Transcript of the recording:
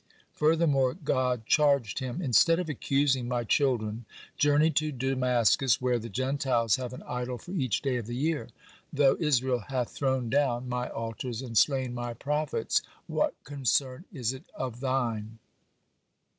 (27) Furthermore God charged him: "Instead of accusing My children, journey to Damascus, where the Gentiles have an idol for each day of the year. Though Israel hath thrown down My altars and slain My prophets, what concern is it of thine?"